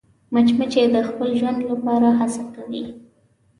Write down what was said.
مچمچۍ د خپل ژوند لپاره هڅه کوي